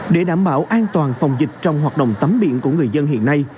để đảm bảo an toàn phòng dịch trong hoạt động tắm biển của người dân hiện nay